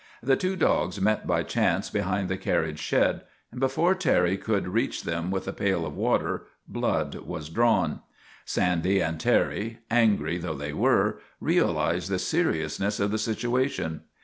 The two dogs met by chance behind the carriage shed, and, before Terry could reach them with a pail of water, blood was drawn. Sandy and Terry, angry though they were., realized the seriousness of the situation.